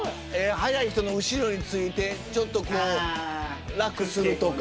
速い人の後ろについてちょっとこう楽するとか。